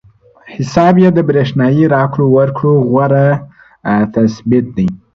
حساب پې د برېښنايي راکړو ورکړو غوره تشبث دی.